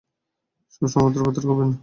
সবসময় উত্রা-পাত্রা করবি না!